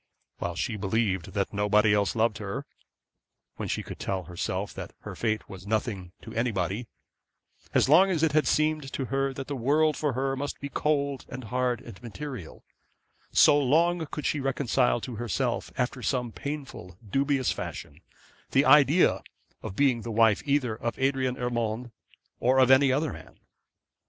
While she believed that nobody else loved her; when she could tell herself that her fate was nothing to anybody; as long as it had seemed to her that the world for her must be cold, and hard, and material; so long could she reconcile to herself, after some painful, dubious fashion, the idea of being the wife either of Adrian Urmand, or of any other man.